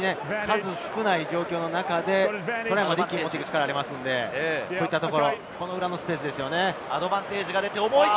数少ない状況の中で、トライまで一気に持っていく力がありますので、裏のスペースですよね。